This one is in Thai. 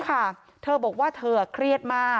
ความปลอดภัยของนายอภิรักษ์และครอบครัวด้วยซ้ำ